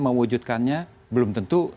mewujudkannya belum tentu